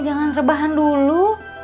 jangan rebahan dulu